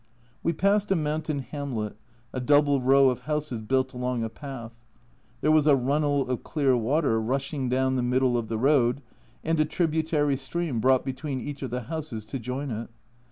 We passed a mountain hamlet, a double row of houses built along a path. There was a runnel of clear water rushing down the middle of the road, and ^ a tributary stream brought between each of the houses to join it.